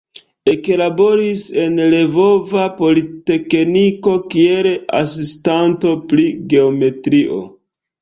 Eklaboris en Lvova Politekniko kiel asistanto pri geometrio.